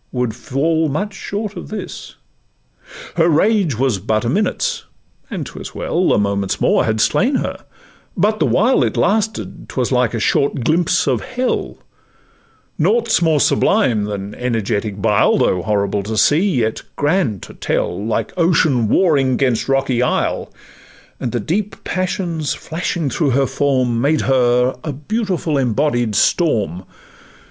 would much fall short of this. Her rage was but a minute's, and 'twas well— A moment's more had slain her; but the while It lasted 'twas like a short glimpse of hell: Nought 's more sublime than energetic bile, Though horrible to see yet grand to tell, Like ocean warring 'gainst a rocky isle; And the deep passions flashing through her form Made her a beautiful embodied storm.